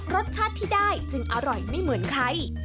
รสชาติที่ได้จึงอร่อยไม่เหมือนใคร